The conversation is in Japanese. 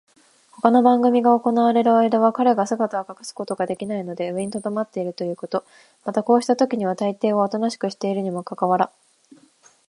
ほかの番組が行われるあいだは、彼が姿を隠すことができないので上にとどまっているということ、またこうしたときにはたいていはおとなしくしているにもかかわらず、